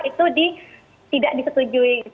itu tidak disetujui